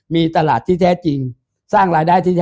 มีตลาดที่แท้จริงสร้างรายได้ที่ดี